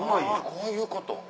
こういうこと？